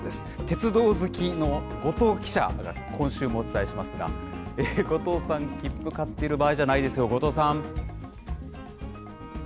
鉄道好きの後藤記者が今週もお伝えしますが、後藤さん、きっぷ買っている場合じゃないですよ。